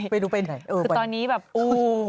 ไปดูไปไหนคือตอนนี้แบบโอ้